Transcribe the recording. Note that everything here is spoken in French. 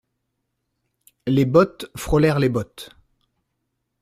Les bottes frôlèrent les bottes.